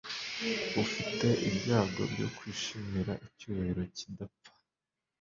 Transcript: Ufite ibyago byo kwishimira icyubahiro kidapfa